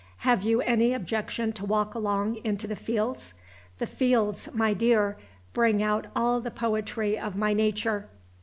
Have you any objection to walk along into the fields? The fields, my dear, bring out all the poetry of my nature.